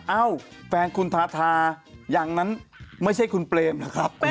เอ้าแฟนคุณธาธาอย่างนั้นไม่ใช่คุณปรำ